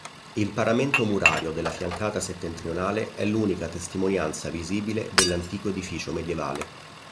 Il paramento murario della fiancata settentrionale è l'unica testimonianza visibile dell'antico edificio medievale.